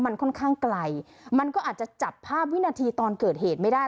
มันค่อนข้างไกลมันก็อาจจะจับภาพวินาทีตอนเกิดเหตุไม่ได้